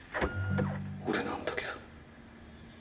俺なんだけど。